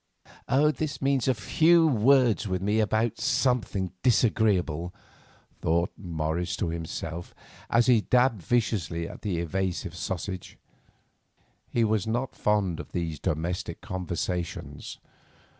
"This means a 'few words' with me about something disagreeable," thought Morris to himself as he dabbed viciously at an evasive sausage. He was not fond of these domestic conversations.